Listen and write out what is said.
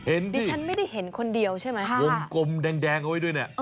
เห็นสิดิฉันไม่ได้เห็นคนเดียวใช่ไหมค่ะโกมแดงเข้าไว้ด้วยนะ